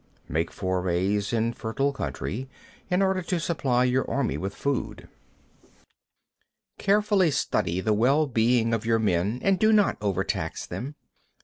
Make forays in fertile country in order to supply your army with food. 22. Carefully study the well being of your men, and do not overtax them.